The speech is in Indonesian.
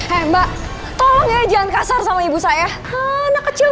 mau sama cemacem mau diim aja hai mbak tolong ya jangan kasar sama ibu saya anak kecil